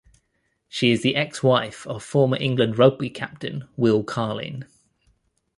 She is the ex-wife of former England rugby captain Will Carling.